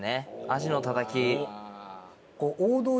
アジのたたき。